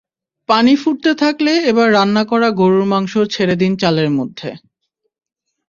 পানি ফুটতে থাকলে এবার রান্না করা গরুর মাংস ছেড়ে দিন চালের মধ্যে।